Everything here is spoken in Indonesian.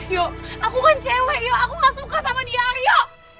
yo aku kan cewek yo aku gak suka sama dia aryo